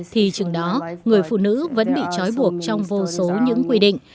thì chừng đó người phụ nữ vẫn bị chói buộc trong vô số những quy định